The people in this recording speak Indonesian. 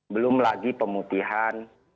belum lagi pemutihan